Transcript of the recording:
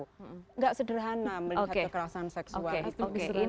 tidak sederhana melihat kekerasan seksual